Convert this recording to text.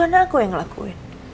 kan bukan aku yang ngelakuin